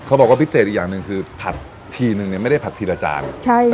เขาบอกว่าพิเศษอีกอย่างหนึ่งคือผัดทีนึงเนี่ยไม่ได้ผัดทีละจาน